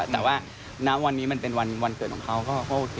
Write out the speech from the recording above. แต่ว่าณวันนี้มันเป็นวันเกิดของเขาก็โอเค